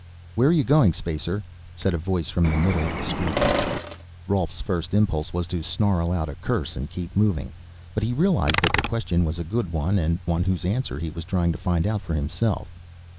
"Where are you going, Spacer?" said a voice from the middle of the street. Rolf's first impulse was to snarl out a curse and keep moving, but he realized that the question was a good one and one whose answer he was trying to find out for himself.